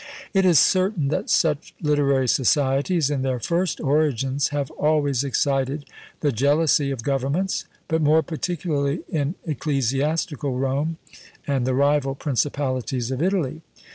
It is certain that such literary societies, in their first origins, have always excited the jealousy of governments, but more particularly in ecclesiastical Rome, and the rival principalities of Italy.